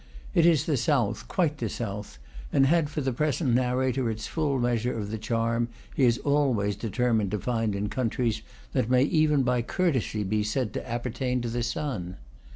It is the south, quite the south, and had for the present narrator its full measure of the charm he is always determined to find in countries that may even by courtesy be said to appertain to the sun.